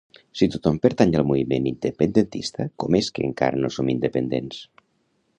Si tothom pertany al moviment independentista com és que encara no som independents?